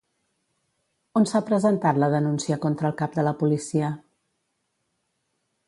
On s'ha presentat la denúncia contra el cap de la policia?